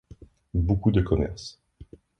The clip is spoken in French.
Beaucoup de commerces.